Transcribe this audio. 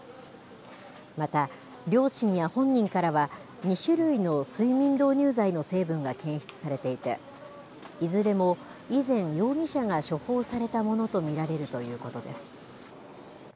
また、両親や本人からは、２種類の睡眠導入剤の成分が検出されていて、いずれも以前、容疑者が処方されたものと見られるということです。